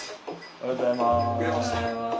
おはようございます。